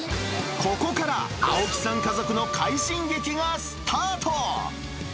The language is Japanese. ここから、青木さん家族の快進撃がスタート。